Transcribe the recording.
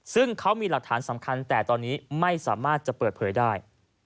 ซึ่งเขามีหลักฐานสำคัญแต่ตอนนี้ไม่สามารถจะเปิดเผยได้